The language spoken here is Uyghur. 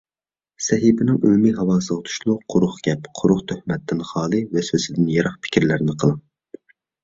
سەھىپىنىڭ ئىلمىي ھاۋاسىغا تۇشلۇق، قۇرۇق گەپ، قۇرۇق تۆھمەتتىن خالىي، ۋەسۋەسىدىن يىراق پىكىرلەرنى قىلىڭ!